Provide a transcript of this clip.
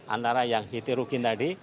antara yang hitirukin tadi